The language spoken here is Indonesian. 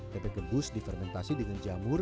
tempe gebus difermentasi dengan jamur